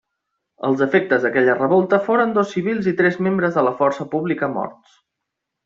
Els efectes d'aquella revolta foren dos civils i tres membres de la força pública morts.